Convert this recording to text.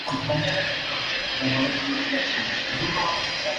National Museums of Canada, Ottawa.